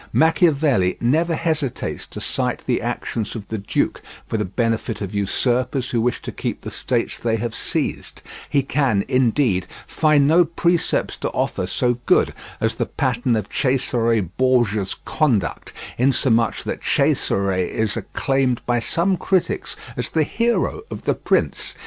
Machiavelli never hesitates to cite the actions of the duke for the benefit of usurpers who wish to keep the states they have seized; he can, indeed, find no precepts to offer so good as the pattern of Cesare Borgia's conduct, insomuch that Cesare is acclaimed by some critics as the "hero" of The Prince.